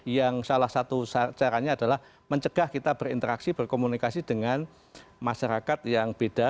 yang salah satu caranya adalah mencegah kita berinteraksi berkomunikasi dengan masyarakat yang beda